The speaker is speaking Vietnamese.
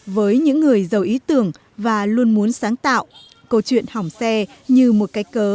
với những người giàu ý tưởng và luôn muốn sáng tạo câu chuyện hỏng xe như một cái cớ